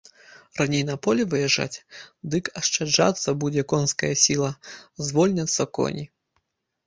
Раней на поле выязджаць, дык ашчаджацца будзе конская сіла, звольняцца коні.